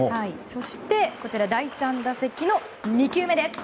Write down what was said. そして第３打席の２球目です。